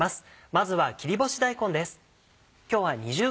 まずは切り干し大根です。